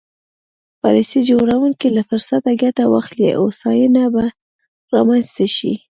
پالیسي جوړوونکي له فرصته ګټه واخلي هوساینه به رامنځته شي.